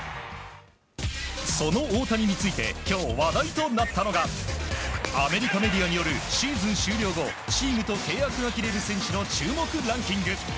その大谷について今日、話題となったのがアメリカメディアによるシーズン終了後チームと契約が切れる選手の注目ランキング。